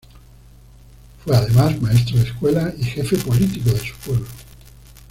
Fue, además, maestro de escuela y jefe político de su pueblo.